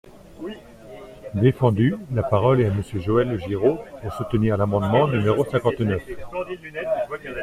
Défendu ! La parole est à Monsieur Joël Giraud, pour soutenir l’amendement numéro cinquante-neuf.